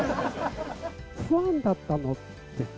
ファンだったのって。